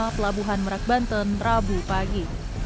pelabuhan merak banten rabu pagi